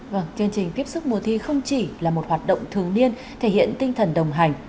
vâng chương trình tiếp sức mùa thi không chỉ là một hoạt động thường niên thể hiện tinh thần đồng hành